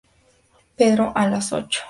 Pero a las ocho.